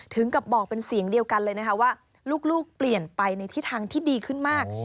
ถึงกับบอกเป็นเสียงเดียวกันเลยนะคะว่าลูกเปลี่ยนไปในทิศทางที่ดีขึ้นมาก